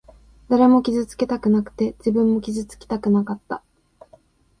誰も傷つけたくなくて、自分も傷つきたくなかった。